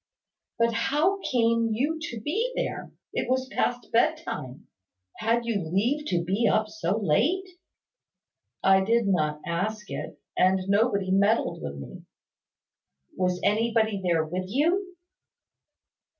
"But how came you to be there? It was past bedtime. Had you leave to be up so late?" "I did not ask it; and nobody meddled with me." "Was anybody there with you?"